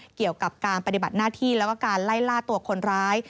เกี่ยวกับการปฏิบัติหน้าที่แล้วก็การไล่ล่าตัวคนร้าย